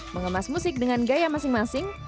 mengemas musik dengan gaya masing masing